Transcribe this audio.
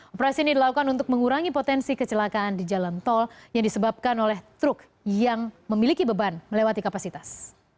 operasi ini dilakukan untuk mengurangi potensi kecelakaan di jalan tol yang disebabkan oleh truk yang memiliki beban melewati kapasitas